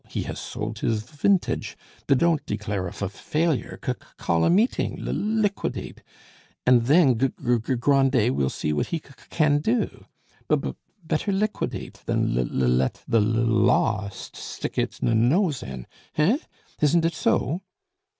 He has sold his v v vintage. D d don't declare a f f failure; c c call a meeting; l l liquidate; and then Gr Gr Grandet will see what he c c can do. B b better liquidate than l let the l l law st st stick its n n nose in. Hein? isn't it so?"